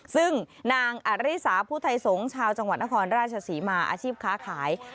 ซึ่งนางอริสาผู้ไทยสงฆ์ชาวจังหวัดนครราชศรีมาอาชีพค้าขาย